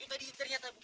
itu tadi ternyata